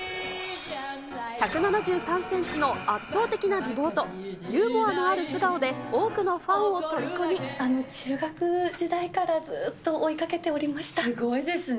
１７３センチの圧倒的な美貌とユーモアのある素顔で多くのファン中学時代からずっと追いかけすごいですね。